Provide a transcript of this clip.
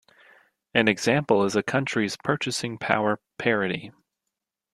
An example is a country's purchasing power parity.